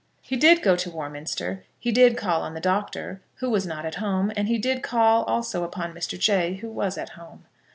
He did go to Warminster. He did call on the Doctor, who was not at home; and he did call also upon Mr. Jay, who was at home.